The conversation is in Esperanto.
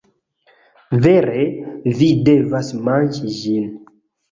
Vere vi devas manĝi ĝin.